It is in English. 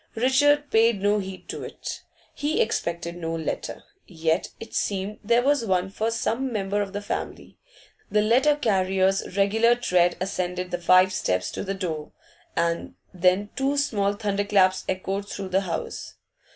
Richard paid no heed to it; he expected no letter. Yet it seemed there was one for some member of the family; the letter carrier's regular tread ascended the five steps to the door, and then two small thunderclaps echoed through the house.